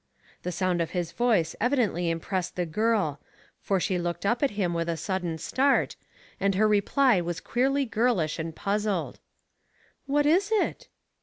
The sound of his voice evidently impressed the girl, for she looked up at him with a sudden start, and her reply was queerly girlish and puzzled. "What is it?